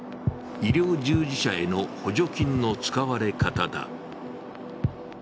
医療従事者への補助金の使われ方だ。